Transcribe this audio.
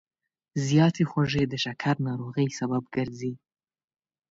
زیاتې خوږې د شکر ناروغۍ سبب ګرځي.